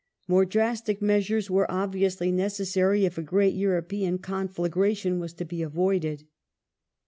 More drastic measures were obviously necessary if a great European con flagration was to be avoided.